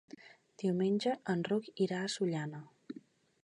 Diumenge en Roc irà a Sollana.